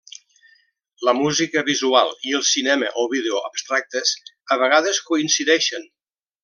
La música visual i el cinema o vídeo abstractes a vegades coincideixen.